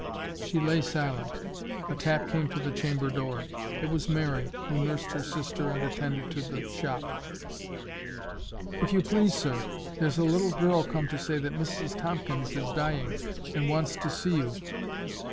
She lay silent. A tap came to the chamber door. It was Mary, who nursed her sister and attended to the shop. "If you please, sir, here's a little girl come to say that Mrs Tomkins is dying, and wants to see you."